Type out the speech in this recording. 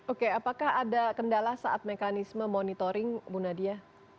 oke apakah ada kendala saat mekanisme monitoring bu nadia